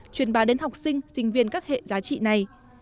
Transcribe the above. truyền bà đến học sinh sinh viên các hệ giá trị này